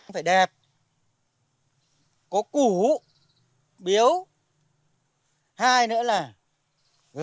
phải đẹp có củ biếu hai nữa là lá